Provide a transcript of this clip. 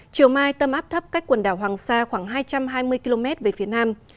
chiều mai tâm áp thấp cách quần đảo hoàng sa khoảng hai trăm hai mươi km về phía nam